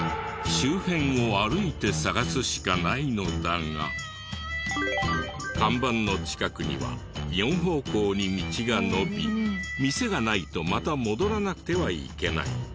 周辺を歩いて探すしかないのだが看板の近くには４方向に道が伸び店がないとまた戻らなくてはいけない。